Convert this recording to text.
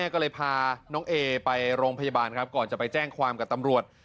ก็เลยพาน้องเอไปโรงพยาบาลครับก่อนจะไปแจ้งความกับตำรวจ